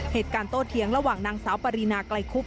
เหตุการณ์โตเทียงระหว่างนางเสาปรีนาไกลคุบ